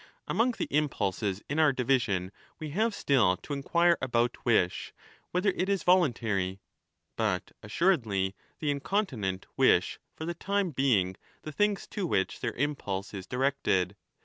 Among the impulses in our division we have still to inquire about wish, whether it is voluntary. But assuredly the incontinent wish for the time being the things to which their impulse is directed.